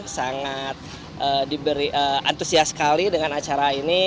sangat diberi antusias sekali dengan acara ini